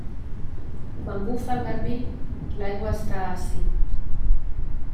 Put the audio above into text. Quan bufa el garbí, l'aigua està ací.